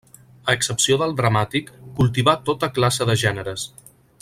A excepció del dramàtic, cultivà tota classe de gèneres.